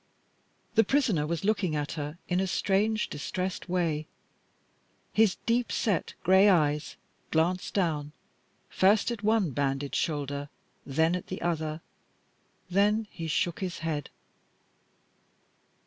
The prisoner was looking at her in a strange, distressed way; his deep set gray eyes glanced down first at one bandaged shoulder, then at the other, then he shook his head.